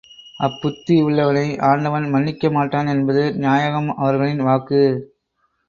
அப் புத்தி உள்ளவனை ஆண்டவன் மன்னிக்க மாட்டான் என்பது நாயகம் அவர்களின் வாக்கு.